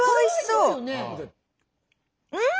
うん！